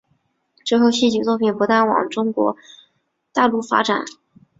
之后戏剧作品不断并往中国大陆发展。